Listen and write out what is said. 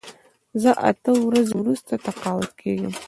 زه اته ورځې وروسته تقاعد کېږم.